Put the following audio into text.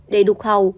để đục hàu